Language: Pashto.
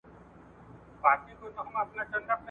وئيل ئې دلته واړه د غالب طرفداران دي ..